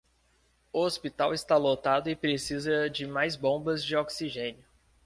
O hospital está lotado e precisa de mais bombas de oxigênio